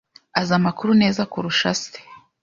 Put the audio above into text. Azi amakuru neza kurusha se.